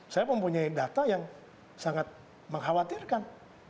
saya pun punya data yang sangat mengkhawatirkan